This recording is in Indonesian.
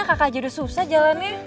kakak aja udah susah jalannya